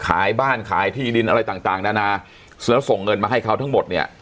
ขายบ้านขายที่ดินอะไรต่างต่างนานาแล้วส่งเงินมาให้เขาทั้งหมดเนี่ย